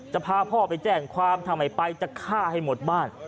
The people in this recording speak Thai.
จะพาพ่อไปแจ้งความทำไมไปจะฆ่าให้หมดบ้าน